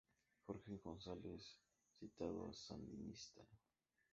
Jorge González ha citado a "Sandinista!